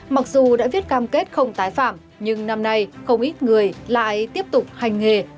mặc dù đã viết cam kết không tái phạm nhưng năm nay không ít người lại tiếp tục hành nghề